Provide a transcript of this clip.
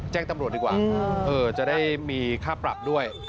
แจ้งตำรวจดีกว่าจะได้มีค่าปรับด้วย